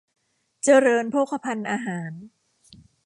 เจริญโภคภัณฑ์อาหาร